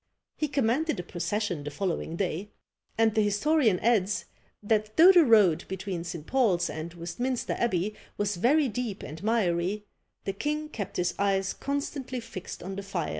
He commanded a procession the following day; and the historian adds, that though the road between St. Paul's and Westminster Abbey was very deep and miry, the king kept his eyes constantly fixed on the phial.